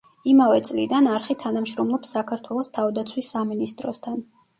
იმავე წლიდან არხი თანამშრომლობს საქართველოს თავდაცვის სამინისტროსთან.